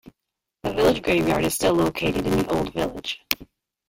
The village graveyard is still located in the old village.